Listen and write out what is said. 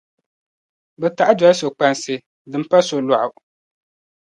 bɛ taɣi doli so’ kpansi, din pa so’ lɔɣu.